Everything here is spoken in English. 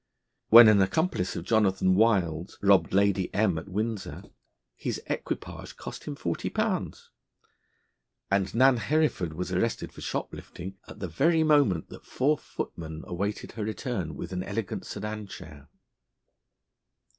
When an accomplice of Jonathan Wild's robbed Lady M n at Windsor, his equipage cost him forty pounds; and Nan Hereford was arrested for shoplifting at the very moment that four footmen awaited her return with an elegant sedan chair.